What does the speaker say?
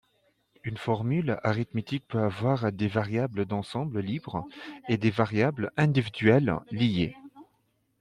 Une formule arithmétique peut avoir des variables d'ensemble libres et des variables individuelles liées.